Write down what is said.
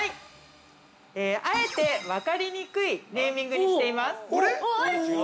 ◆あえて、分かりネーミングにしています。